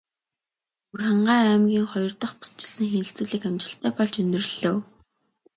Өвөрхангай аймгийн хоёр дахь бүсчилсэн хэлэлцүүлэг амжилттай болж өндөрлөлөө.